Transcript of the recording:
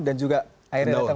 dan juga akhirnya datang